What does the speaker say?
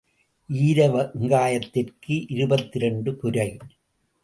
ஈர வெங்காயத்திற்கு இருபத்திரண்டு புரை.